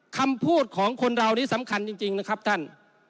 คำพูดของคนเรานี้สำคัญจริงนะครับท่าน